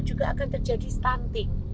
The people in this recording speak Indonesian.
juga akan terjadi stunting